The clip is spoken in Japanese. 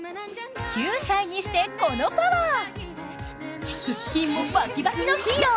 ９歳にして、このパワー。